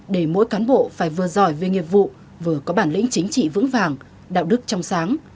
để mỗi cán bộ phải vừa giỏi về nghiệp vụ vừa có bản lĩnh chính trị vững vàng đạo đức trong sáng